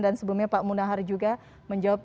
dan sebelumnya pak munahar juga menjawab